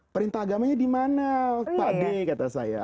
perintah agamanya dimana pak d kata saya